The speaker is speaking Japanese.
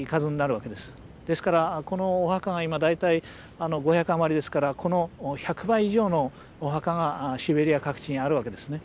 ですからこのお墓が今大体５００余りですからこの１００倍以上のお墓がシベリア各地にあるわけですね。